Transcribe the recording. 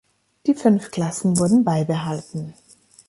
Die fünf Klassen wurden beibehalten.